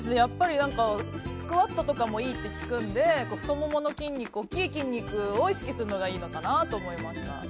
スクワットとかもいいって聞くので太ももの筋肉大きい筋肉を意識するといいのかなと思いました。